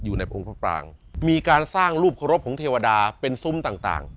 อยู่ในพระองค์พระปรางมีการสร้างรูปเคารพของเทวดาเป็นซุ้มต่าง